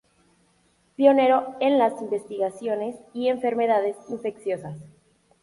Pionero en las investigaciones y enfermedades infecciosas.